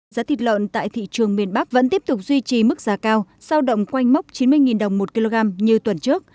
giá thịt lợn tại thị trường miền bắc vẫn tiếp tục duy trì mức giá cao giao động quanh mốc chín mươi đồng một kg như tuần trước